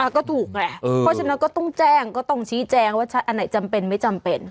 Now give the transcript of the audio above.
ก็ถูกไงเพราะฉะนั้นก็ต้องแจ้งก็ต้องชี้แจงว่าอันไหนจำเป็นไม่จำเป็น